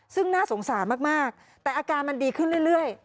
ซึ่งน่าสงสารมากแต่อาการมันดีขึ้นเรื่อย